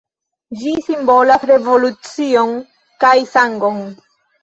Ĝi simbolas revolucion kaj sangon.